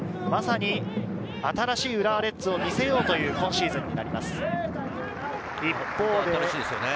まさに新しい浦和レッズを見せようという今シーズンになります。